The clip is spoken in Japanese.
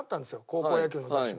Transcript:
高校野球の雑誌。